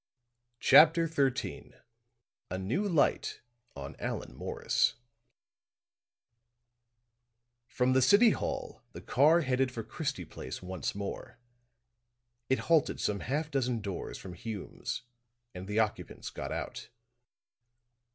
CHAPTER XIII A NEW LIGHT ON ALLAN MORRIS From the City Hall the car headed for Christie Place once more; it halted some half dozen doors from Hume's and the occupants got out.